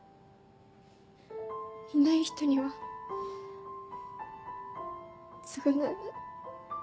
いない人には償えない。